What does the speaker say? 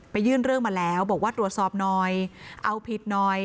ยื่นเรื่องมาแล้วบอกว่าตรวจสอบหน่อยเอาผิดหน่อย